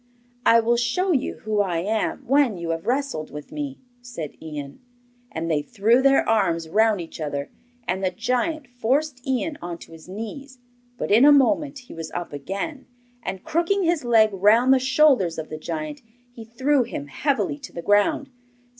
'I will show you who I am when you have wrestled with me,' said Ian. And they threw their arms round each other, and the giant forced Ian on to his knees; but in a moment he was up again, and crooking his leg round the shoulders of the giant, he threw him heavily to the ground.